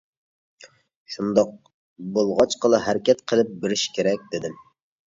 شۇنداق بولغاچقىلا، ھەرىكەت قىلىپ بېرىش كېرەك دېدىم.